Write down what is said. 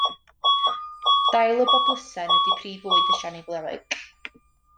Dail y boplysen ydy prif fwyd y siani flewog.